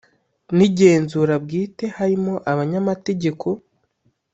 N igenzura bwite harimo abanyamategeko